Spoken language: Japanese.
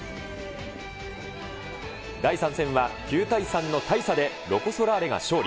第３戦は、９対３の大差でロコ・ソラーレが勝利。